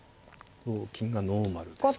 同金がノーマルですね。